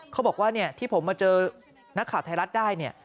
เขาบอกว่าที่ผมมาเจอนักข่าวไทยรัฐได้เนี่ย